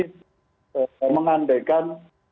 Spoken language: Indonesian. kita harus mengandaikan